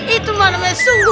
itu mah namanya sungguh